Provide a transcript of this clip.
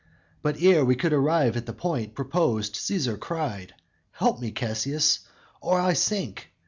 But ere we could arrive at the point proposed, Cæsar cried, 'Help me, Cassius, or I sink!'